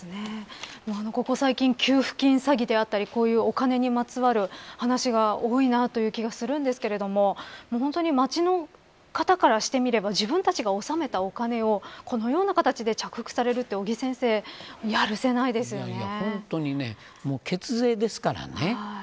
ここ最近給付金詐欺であったりこういうお金にまつわる話が多いなという気がするんですが本当に町の方からしてみれば自分たちが納めたお金をこのような形で着服されるって本当に血税ですからね。